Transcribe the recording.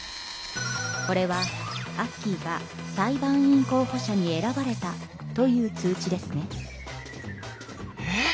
これはアッキーが裁判員候補者に選ばれたという通知ですね。え！？